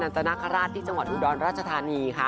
ตนาคาราชที่จังหวัดอุดรราชธานีค่ะ